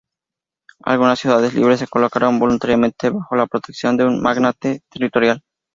Algunas ciudades libres se colocaron voluntariamente bajo la protección de un magnate territorial.